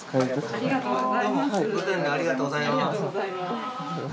ありがとうございます。